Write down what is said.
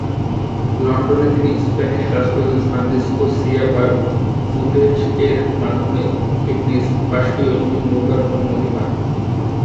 লন্ডনে তিনি স্প্যানিশ রাষ্ট্রদূত ফ্রান্সিসকো সিয়া বার্মুডেজ-এর মাধ্যমে একটি বাষ্পীয় ইঞ্জিন নেবার অনুমতি পান।